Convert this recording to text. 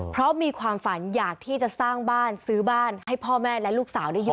เพราะมีความฝันอยากที่จะสร้างบ้านซื้อบ้านให้พ่อแม่และลูกสาวได้เยอะ